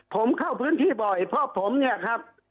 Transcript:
ผมเข้าพื้นที่บ่อยเพราะผมเนี่ยครับ